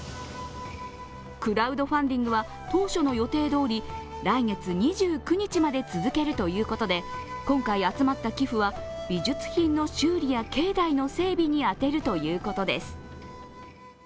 クラウドファンディングは当初の予定どおり、来月２９日まで続けるということで、今回集まった寄付は、美術品の修理や境内の整備に充てるということです。